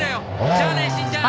じゃあねしんちゃん！